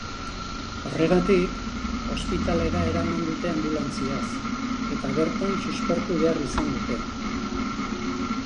Horregatik, ospitalera eraman dute anbulantziaz, eta bertan suspertu behar izan dute.